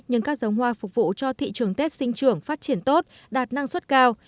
nhưng các giống hoa phục vụ cho thị trường tết sinh trưởng phát triển tốt đạt năng suất cao